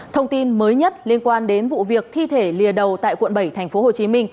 thông tin mới nhất liên quan đến vụ việc thi thể lìa đầu tại quận bảy tp hcm